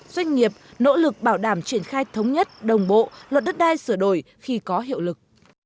doanh nghiệp nỗ lực bảo đảm triển khai thống nhất đồng bộ luật đất đai sửa đổi khi có hiệu lực